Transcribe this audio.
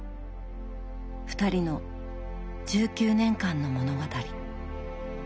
２人の１９年間の物語。